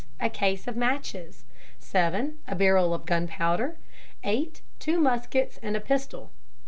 A case of matches. 7. A barrel of gunpowder. 8. Two muskets and a pistol.